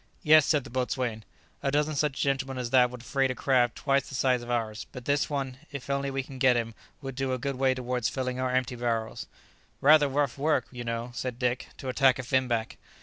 "Yes," said the boatswain; "a dozen such gentlemen as that would freight a craft twice the size of ours; but this one, if only we can get him, will go a good way towards filling our empty barrels." "Rather rough work, you know," said Dick, "to attack a finback!"